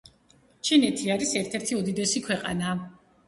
ჩინეთი არის ერთ ერთი უდიდესი ქვეყანა